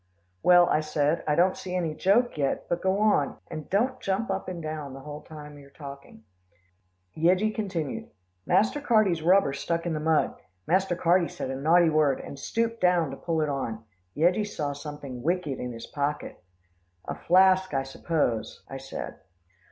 "Well," I said. "I don't see any joke yet, but go on, and don't jump up and down the whole time you're talking." Yeggie continued, "Master Carty's rubber stuck in the mud, Master Carty said a naughty word, and stooped down to pull it on. Yeggie saw something wicked in his pocket." "A flask, I suppose," I said.